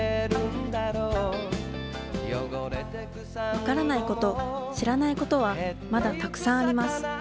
分からないこと知らないことはまだたくさんあります。